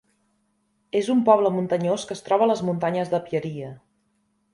És un poble muntanyós que es troba a les muntanyes de Pieria.